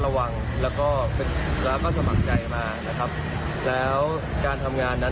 ระวังแล้วก็สมัครใจมานะครับแล้วการทำงานนั้น